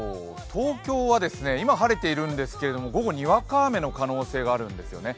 東京は今晴れているんですけれども、午後、にわか雨の可能性があるんですよね。